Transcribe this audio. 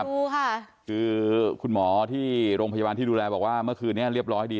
ดูค่ะคือคุณหมอที่โรงพยาบาลที่ดูแลบอกว่าเมื่อคืนนี้เรียบร้อยดี